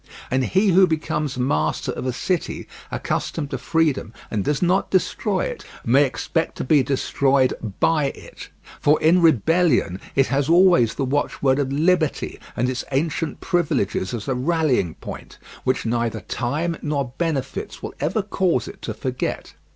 And he who becomes master of a city accustomed to freedom and does not destroy it, may expect to be destroyed by it, for in rebellion it has always the watchword of liberty and its ancient privileges as a rallying point, which neither time nor benefits will ever cause it to forget.